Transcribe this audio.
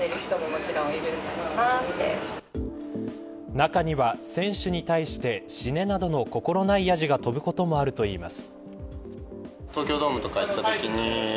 中には選手に対して死ねなどの心無いやじが飛ぶこともあるといいます。